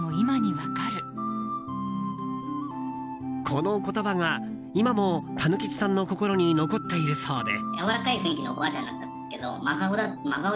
この言葉が今も、たぬきちさんの心に残っているそうで。